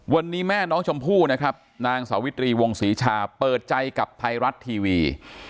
วันนี้แม่น้องชมพู่นะครับนางสาวิตรีวงศรีชาเปิดใจกับไทยรัฐทีวี